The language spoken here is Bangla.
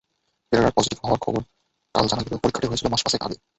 পেরেরার পজিটিভ হওয়ার খবর কাল জানা গেলেও পরীক্ষাটা হয়েছিল মাস পাঁচেক আগে।